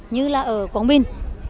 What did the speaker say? như là ở quảng bình